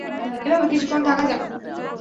এভাবে কিছুক্ষণ থাকা যাক।